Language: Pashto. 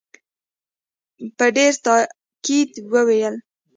په ډېر تاءکید وویل.